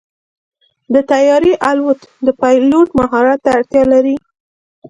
د طیارې الوت د پيلوټ مهارت ته اړتیا لري.